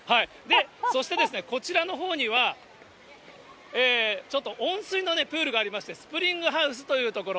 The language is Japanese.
そしてですね、こちらのほうには、ちょっと温水のプールがありまして、スプリングハウスという所。